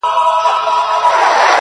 کله مسجد کي گډ يم کله درمسال ته گډ يم